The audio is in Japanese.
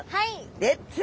レッツ。